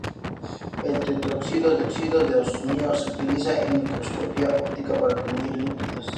El tetróxido de osmio se utiliza en microscopía óptica para teñir lípidos.